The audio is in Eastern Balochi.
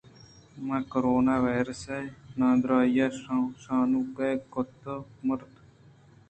ماں کرونا ویروس ءِ نادْراھی ءَ شانوک ئِے کت ءُ مُرت